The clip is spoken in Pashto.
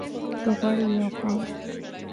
که غواړئ يو قوم